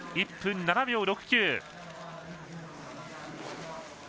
１分７秒６９。